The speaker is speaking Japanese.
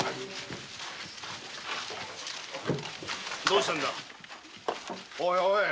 どうしたんだ？